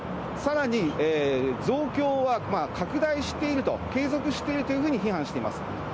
さらに増強は拡大していると、継続しているというふうに批判しています。